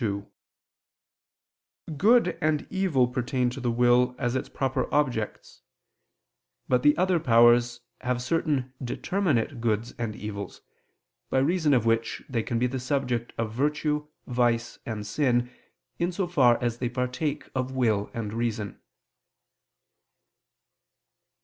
2: Good and evil pertain to the will as its proper objects; but the other powers have certain determinate goods and evils, by reason of which they can be the subject of virtue, vice, and sin, in so far as they partake of will and reason.